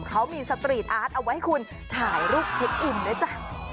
เขามีสตรีทอาร์ตเอาไว้ให้คุณถ่ายรูปเช็คอินด้วยจ้ะ